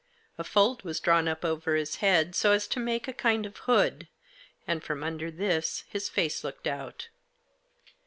A fold was drawn up over his head, so as to make a kind of hood, and from under this his face looked out.